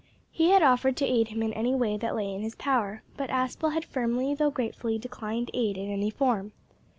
He had offered to aid him in any way that lay in his power, but Aspel had firmly though gratefully declined aid in any form.